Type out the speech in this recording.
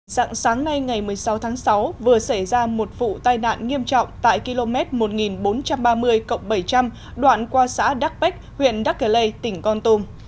sẵn sáng nay ngày một mươi sáu tháng sáu vừa xảy ra một vụ tai nạn nghiêm trọng tại km một nghìn bốn trăm ba mươi bảy trăm linh đoạn qua xã đắc bách huyện đắc kỳ lê tỉnh con tùng